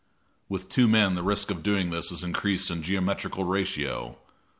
With two men the risk of doing this is increased in geometrical ratio.